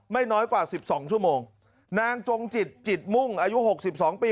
น้อยกว่าสิบสองชั่วโมงนางจงจิตจิตมุ่งอายุหกสิบสองปี